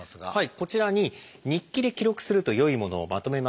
こちらに日記で記録するとよいものをまとめました。